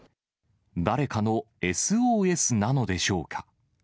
誰かのＳＯＳなのでしょうか。